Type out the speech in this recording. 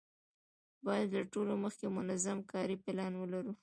باید له ټولو مخکې منظم کاري پلان ولرو.